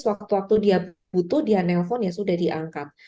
sewaktu waktu dia butuh dia nelpon ya sudah diangkat